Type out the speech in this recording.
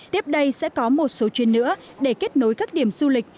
tiếp đây sẽ có một số chuyên nữa để kết nối các điểm du lịch